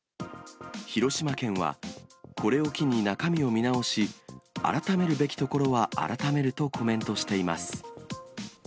広島県は、これを機に中身を見直し、改めるべきところは改めるとコメントしています。